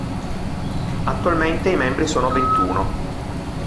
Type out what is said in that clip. Attualmente i membri sono ventuno.